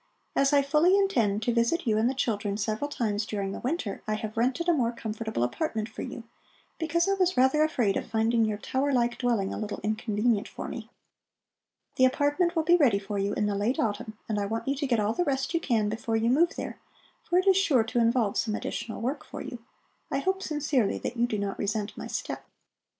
"As I fully intend to visit you and the children several times during the winter, I have rented a more comfortable apartment for you, because I was rather afraid of finding your tower like dwelling a little inconvenient for me. The apartment will be ready for you in the late autumn, and I want you to get all the rest you can before you move there, for it is sure to involve some additional work for you. I hope sincerely that you do not resent my step."